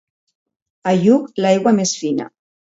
A Lluc, l'aigua més fina.